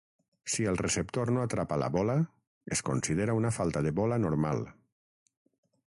Si el receptor no atrapa la bola, es considera una falta de bola normal.